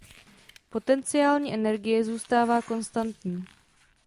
Potenciální energie zůstává konstantní.